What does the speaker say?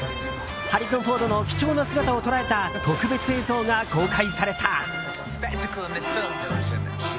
ハリソン・フォードの貴重な姿を捉えた特別映像が公開された。